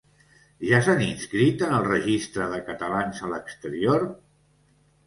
Ja s’han inscrit en el registre de catalans a l’exterior?